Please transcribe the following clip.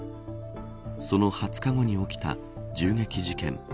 その２０日後に起きた銃撃事件。